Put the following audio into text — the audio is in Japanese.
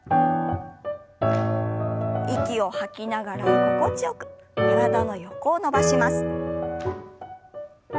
息を吐きながら心地よく体の横を伸ばします。